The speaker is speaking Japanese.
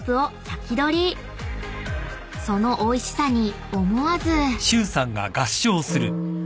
［そのおいしさに思わず］